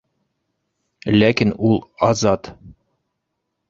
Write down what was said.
Ләкин ул азат!